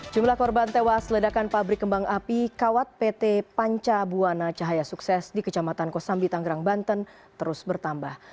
jumlah korban tewas ledakan pabrik kembang api kawat pt panca buana cahaya sukses di kecamatan kosambi tanggerang banten terus bertambah